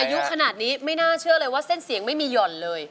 อายุขนาดนี้ไม่น่าเชื่อเลยว่าเส้นเสียงไม่มีหย่อนเลย